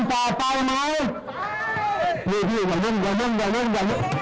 ใครต้องการแบ่ง